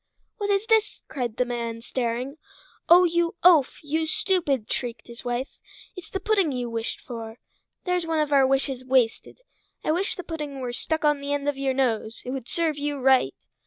"What is this?" cried the man staring. "Oh, you oaf! you stupid!" shrieked his wife. "It's the pudding you wished for. There's one of our wishes wasted. I wish the pudding were stuck on the end of your nose! It would serve you right!"